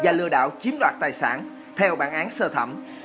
và lừa đảo chiếm đoạt tài sản theo bản án sơ thẩm